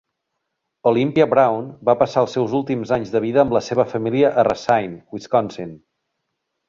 Olympia Brown va passar els seus últims anys de vida amb la seva família a Racine, Wisconsin.